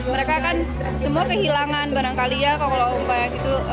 mereka kan semua kehilangan barangkali ya